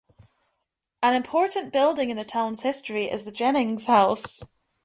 An important building in the town's history is the Jennings House.